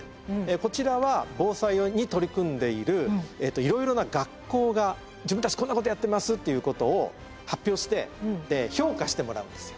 こちらは防災に取り組んでいるいろいろな学校が「自分たちこんなことやってます」っていうことを発表して評価してもらうんですよ。